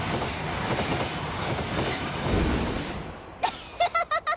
アハハハ！